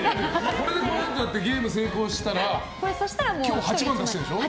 これでゲーム成功したら今日８万出してるんでしょ。